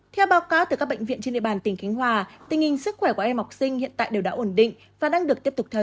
theo báo cáo từ các bệnh viện trên địa bàn tỉnh khánh hòa tình hình sức khỏe của em học sinh hiện tại đều đã ổn định và đang được tiếp tục theo dõi